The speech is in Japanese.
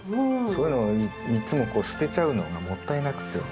そういうのをいっつもこう捨てちゃうのがもったいなくて。